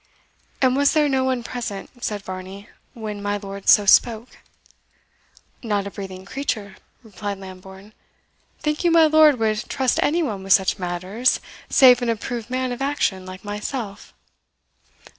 "And was there no one present," said Varney, "when my lord so spoke?" "Not a breathing creature," replied Lambourne. "Think you my lord would trust any one with such matters, save an approved man of action like myself?"